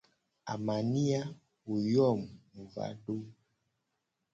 Amania, wo yo mu mu va do.